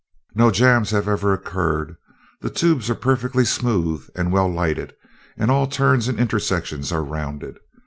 "No jams ever have occurred. The tubes are perfectly smooth and well lighted, and all turns and intersections are rounded.